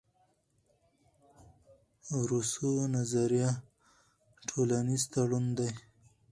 روسو نظریه ټولنیز تړون دئ.